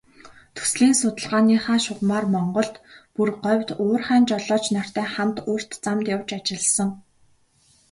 Төслийн судалгааныхаа шугамаар Монголд, бүр говьд уурхайн жолооч нартай хамт урт замд явж ажилласан.